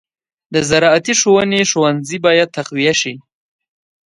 د زراعتي ښوونې ښوونځي باید تقویه شي.